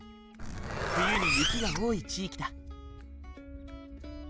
冬に雪が多い地域だ。